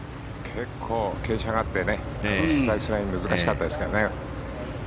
結構、傾斜があってスライスライン難しかったですかね。